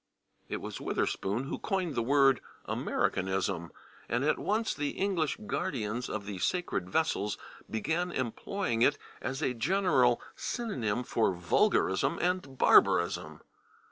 " It was Witherspoon who coined the word /Americanism/ and at once the English guardians of the sacred vessels began employing it as a general synonym for vulgarism and barbarism.